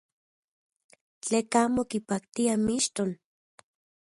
Tleka amo kipaktia mixton.